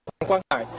ông quang khải